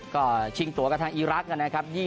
ก็ชิงตัวกับทางอีรักษ์นะครับ